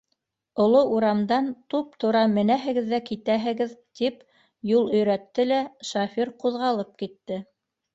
Оло урамдан туп-тура менәһегеҙ ҙә китәһегеҙ, - тип юл өйрәтте лә шофёр ҡуҙғалып китте.